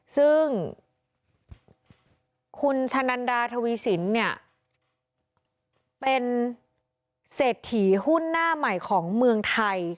ซึ่งคุณชะนันดาทวีสินเนี่ยเป็นเศรษฐีหุ้นหน้าใหม่ของเมืองไทย